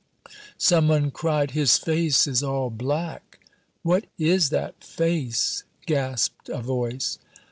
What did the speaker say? Some one cried, "His face is all black!" "What is that face?" gasped a voice.